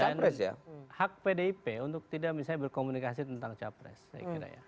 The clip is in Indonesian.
dan hak pdip untuk tidak misalnya berkomunikasi tentang capres saya kira ya